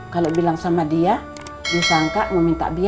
kalau bilang sama dia disangka mau minta biaya